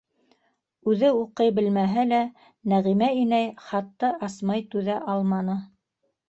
Үҙе уҡый белмәһә лә, Нәғимә инәй хатты асмай түҙә алманы.